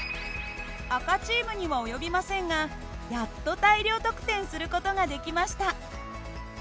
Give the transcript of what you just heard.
赤チームには及びませんがやっと大量得点する事ができました。